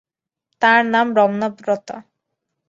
তার নাম রমনা রতা।